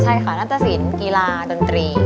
ใช่ค่ะนาฏศิลป์กีฬาดนตรี